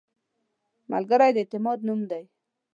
ملګری د اعتماد نوم دی